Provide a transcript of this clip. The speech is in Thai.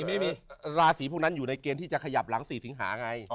ไม่มีราศีพวกนั้นอยู่ในเกณฑ์ที่จะขยับหลัง๔สิงหาไง